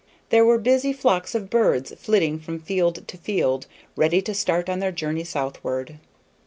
There were busy flocks of birds flitting from field to field, ready to start on their journey southward.